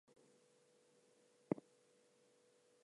What is the pronunciation of the word 'pronounce'?